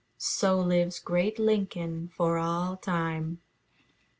So lives great Lincoln for all time.